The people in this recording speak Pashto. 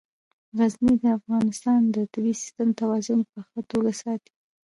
غزني د افغانستان د طبعي سیسټم توازن په ښه توګه ساتي.